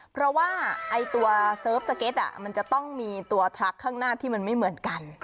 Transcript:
เพราะว่าตัวเซิร์ฟสเก็ตมันจะต้องมีตัวทักข้างหน้าที่มันไม่เหมือนกัน